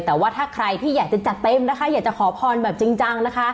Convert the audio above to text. แต่ว่าถ้าใครที่อยากจะจัดเต็มนะคะอยากจะขอพรแบบจริงจังนะคะ